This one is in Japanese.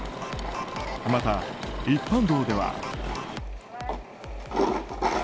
また、一般道では。